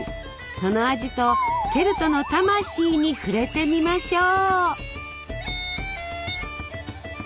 そのお味とケルトの魂に触れてみましょう。